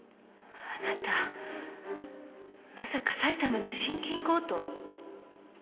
あなたまさか埼玉の信金強盗？